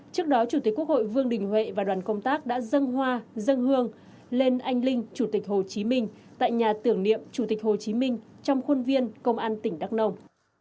trước đó chủ tịch quốc hội vương đình huệ và đoàn công tác đã dân hoa dân hương lên anh linh chủ tịch hồ chí minh tại nhà tưởng niệm chủ tịch hồ chí minh trong khuôn viên công an tỉnh đắk nông